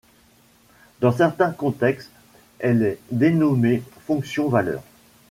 Dans certains contextes, elle est dénommée fonction valeur.